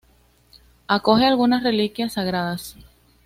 Acoge algunas reliquias sagradas.